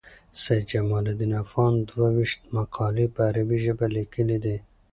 سید جمال الدین افغان دوه ویشت مقالي په عربي ژبه لیکلي دي.